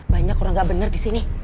banyak orang gak bener disini